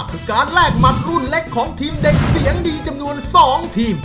คือการแลกหมัดรุ่นเล็กของทีมเด็กเสียงดีจำนวน๒ทีม